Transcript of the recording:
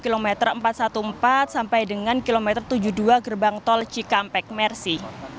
kilometer empat ratus empat belas sampai dengan kilometer tujuh puluh dua gerbang tol cikampek mersi